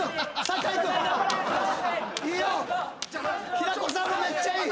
平子さんもめっちゃいい。